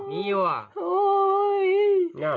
นี่หว่านี่หว่า